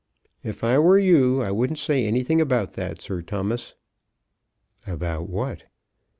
"If I were you, I wouldn't say anything about that, Sir Thomas." "About what?"